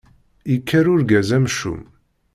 Yekker urgaz amcum.